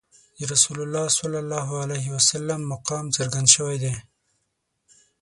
د رسول الله صلی الله علیه وسلم مقام څرګند شوی دی.